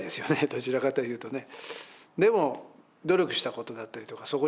どちらかというとね。